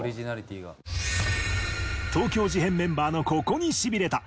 「東京事変メンバーのココにシビれた」。